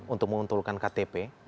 untuk menguntulkan ktp